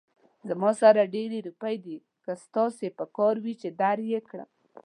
زما سره ډېرې روپۍ دي، که ستاسې پکار وي، چې در يې کړم